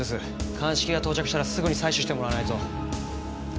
鑑識が到着したらすぐに採取してもらわないと。